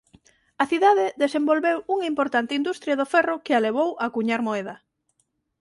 A cidade desenvolveu unha importante industria do ferro que a levou a cuñar moeda.